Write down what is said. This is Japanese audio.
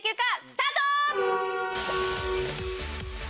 スタート！